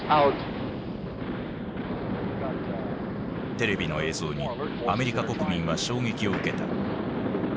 テレビの映像にアメリカ国民は衝撃を受けた。